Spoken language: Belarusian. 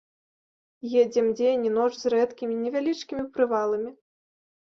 Едзем дзень і ноч, з рэдкімі, невялічкімі прываламі.